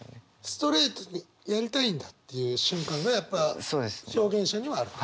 ストレートにやりたいんだっていう瞬間がやっぱ表現者にはあると。